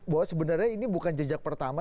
bahwa sebenarnya ini bukan jejak pertama